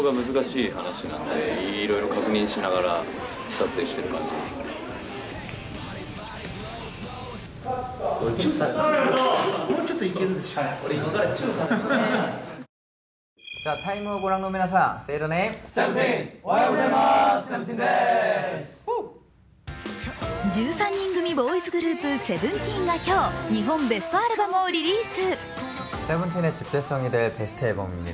撮影現場の様子を間宮さんは１３人組ボーイズグループＳＥＶＥＮＴＥＥＮが今日、日本ベストアルバムをリリース。